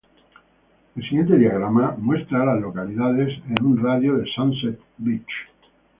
El siguiente diagrama muestra a las localidades en un radio de de Sunset Beach.